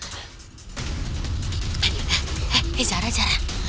eh eh zara zara